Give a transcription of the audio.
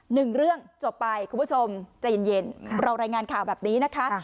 หนึ่งเรื่องจบไปคุณผู้ชมใจเย็นเรารายงานข่าวแบบนี้นะคะ